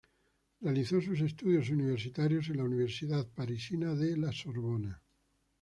Realizó sus estudios universitarios en la Universidad parisina de La Sorbona.